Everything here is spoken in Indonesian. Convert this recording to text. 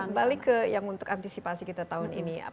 tapi balik ke yang untuk antisipasi kita tahun ini